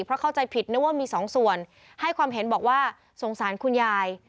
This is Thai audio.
เพราะเข้าใจผิดนึกว่ามีสองส่วนให้ความเห็นบอกว่าสงสารคุณยาย